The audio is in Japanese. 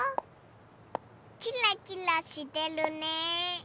キラキラしてるね。